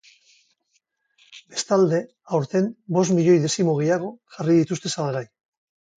Bestalde, aurten bost milioi dezimo gehiago jarri dituzte salgai.